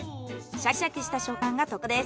シャキシャキした食感が特徴です。